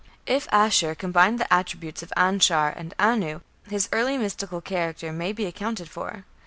If Ashur combined the attributes of Anshar and Anu, his early mystical character may be accounted for.